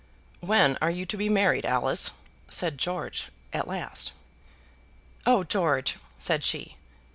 "When are you to be married, Alice?" said George at last. "Oh, George!" said she.